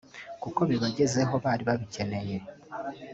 kuko bibagezeho bari babikeneye